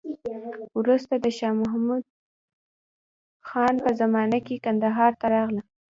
وروسته د شا محمود خان په زمانه کې کندهار ته راغله.